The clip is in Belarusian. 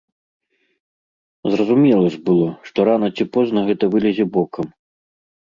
Зразумела ж было, што рана ці позна гэта вылезе бокам.